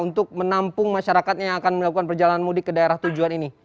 untuk menampung masyarakat yang akan melakukan perjalanan mudik ke daerah tujuan ini